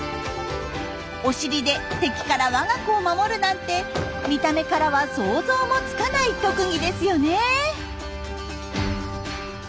お尻で敵から我が子を守るなんて見た目からは想像もつかない特技ですよね。